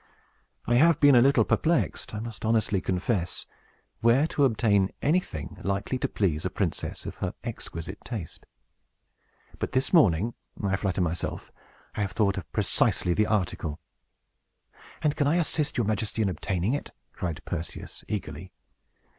I have been a little perplexed, I must honestly confess, where to obtain anything likely to please a princess of her exquisite taste. But, this morning, I flatter myself, I have thought of precisely the article." "And can I assist your Majesty in obtaining it?" cried Perseus, eagerly.